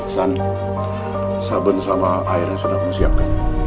san sabun sama airnya sudah kumusyapkan